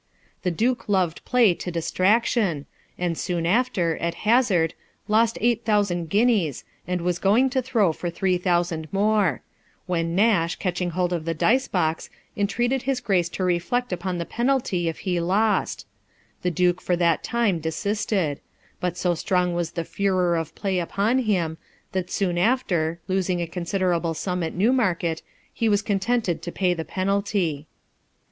The duke loved play to distraction, and soon after, at hazard, lost eight thousand guineas, and was going to throw for three thousand more ; when Nash, catching hold of the dicebox, entreated his Grace to reflect upon the penalty if he lost ; the duke for that time desisted ; hut so strong was the furor of play upon him, that soon after, losing a considerable sum at Newmarket, he was contented to pay the penalty.